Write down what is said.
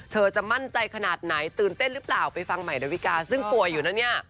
จะมั่นใจขนาดไหนตื่นเต้นหรือเปล่าไปฟังใหม่ดาวิกาซึ่งป่วยอยู่นะเนี่ย